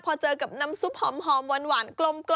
พอเจอกับน้ำซุปหอมหวานกลม